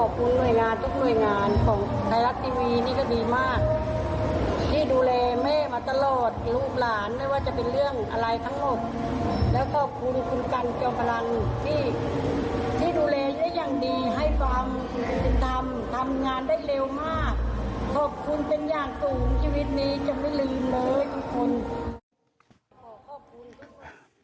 คุณกันได้เร็วมากขอบคุณเป็นอย่างสูงชีวิตนี้จะไม่ลืมเลยทุกคน